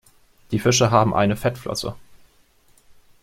Die Fische haben eine Fettflosse.